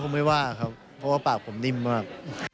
ไม่ว่าครับเพราะว่าปากผมนิ่มมาก